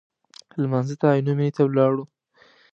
لمانځه ته عینومېنې ته ولاړو.